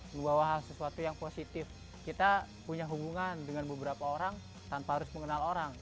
membawa hal sesuatu yang positif kita punya hubungan dengan beberapa orang tanpa harus mengenal orang